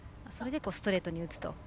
それで、ストレートに打つと。